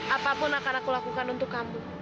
apapun akan aku lakukan untuk kamu